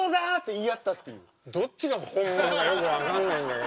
どっちが本物かよく分かんないんだけど。